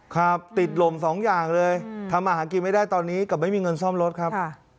ครับติดลมสองอย่างเลยทำอาหารกินไม่ได้ตอนนี้กับไม่มีเงินซ่อมรถครับ